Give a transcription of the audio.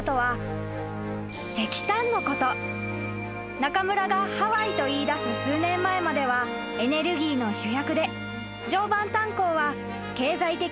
［中村がハワイと言いだす数年前まではエネルギーの主役で常磐炭礦は経済的に潤っていました］